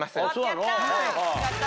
やった！